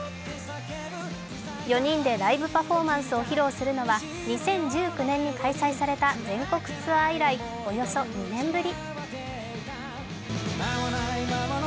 ４人でライブパフォーマンスを披露するのは２０１９年に開催された全国ツアー以来およそ２年ぶり。